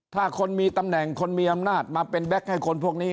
ถ้าคนมีตำแหน่งคนมีอำนาจมาเป็นแก๊กให้คนพวกนี้